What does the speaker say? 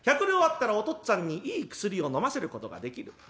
１００両あったらお父っつぁんにいい薬をのませることができる。